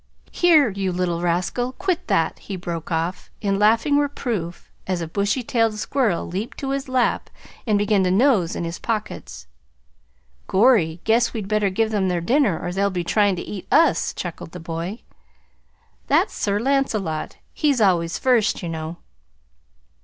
Here, you little rascal quit that!" he broke off in laughing reproof as a bushy tailed squirrel leaped to his lap and began to nose in his pockets. "Gorry, guess we'd better give them their dinner or they'll be tryin' to eat us," chuckled the boy. "That's Sir Lancelot. He's always first, you know."